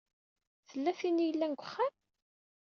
Tella tin i yellan deg uxxam?